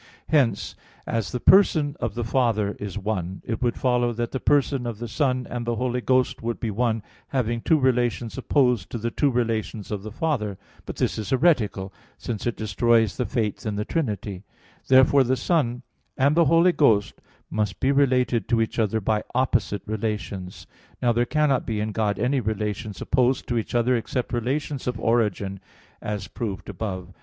Hence, as the person of the Father is one, it would follow that the person of the Son and of the Holy Ghost would be one, having two relations opposed to the two relations of the Father. But this is heretical since it destroys the Faith in the Trinity. Therefore the Son and the Holy Ghost must be related to each other by opposite relations. Now there cannot be in God any relations opposed to each other, except relations of origin, as proved above (Q.